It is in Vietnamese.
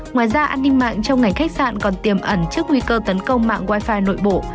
ngoài ra an ninh mạng trong ngành khách sạn còn tiềm ẩn trước nguy cơ tấn công mạng wifi nội bộ